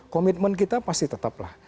komitmen kita pasti tetaplah